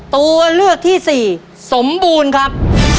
ตัวเลือกที่สี่สมบูรณ์ครับ